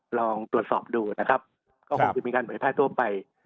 ก็คงตรวจสอบดูนะครับก็คงจะมีการบริภาคทั่วไป